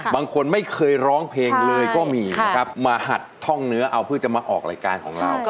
บางคนไม่เคยร้องเพลงเลยก็มีนะครับมาหัดท่องเนื้อเอาเพื่อจะมาออกรายการของเรา